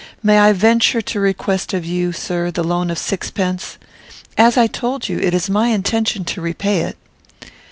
May I venture to request of you, sir, the loan of sixpence? As I told you, it is my intention to repay it."